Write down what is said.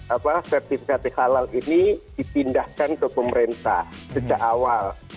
apa sertifikasi halal ini dipindahkan ke pemerintah sejak awal